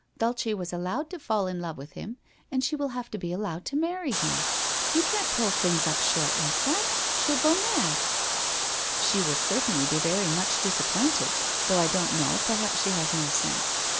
Dulce was allowed to fall in love with him, and she will have to be allowed to marry him. You can't pull things up short like that. She'll go mad '* She will certainly be very much disappointed. Though I don't know, perhaps she has more sense.